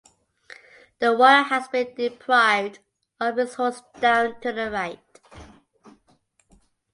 A warrior has been deprived of his horse down to the right.